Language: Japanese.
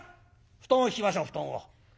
布団を敷きましょう布団を。